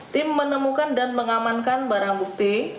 tim menemukan dan mengamankan barang bukti